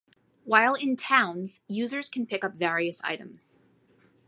While in Towns users can pick up various items.